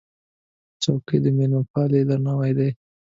چوکۍ د مېلمهپالۍ درناوی دی.